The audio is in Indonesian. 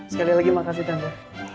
sekali lagi makasih tante